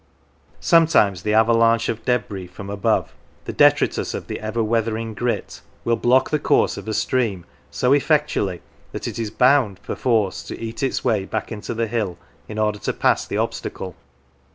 Sometimes the avalanche of debris from above, the detritus of the ever weathering grit, will block the course of a stream so effectually that it is bound perforce to eat its way back into the hill in order to pass the obstacle.